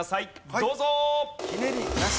どうぞ！